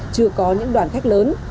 chưa có những đoàn khách lớn